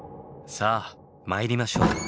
さあ参りましょう。